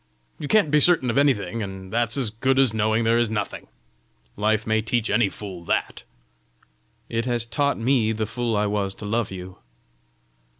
You can't be certain of anything, and that's as good as knowing there is nothing! Life may teach any fool that!" "It has taught me the fool I was to love you!"